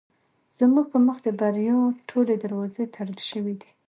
زموږ په مخ د بریا ټولې دروازې تړل شوې دي.